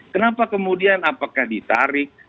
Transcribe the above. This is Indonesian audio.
kenapa kemudian apakah ditarik